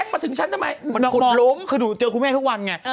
มองคือเจอคุณแม่ทุกวันไง